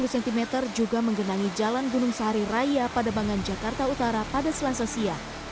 dua puluh cm juga menggenangi jalan gunung sahari raya pada mangan jakarta utara pada selasa siang